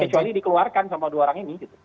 kecuali dikeluarkan sama dua orang ini